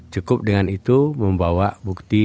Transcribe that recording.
cukup dengan itu membawa bukti